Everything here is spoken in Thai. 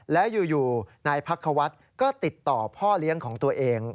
แล้วอยู่นายพักควัฒน์ก็ติดต่อพ่อเลี้ยงของตัวเอง